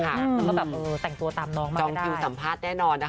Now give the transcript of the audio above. แล้วก็แบบจองคิวสัมภาษณ์แน่นอนนะคะ